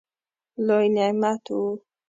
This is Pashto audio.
لوی نعمت وو.